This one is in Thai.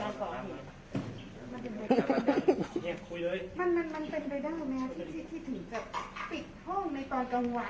มันเป็นไงมันมันมันเป็นไปได้แม้ที่ที่ถึงจะปิดห้องในตอนกังหวัย